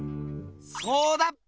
そうだっぺ！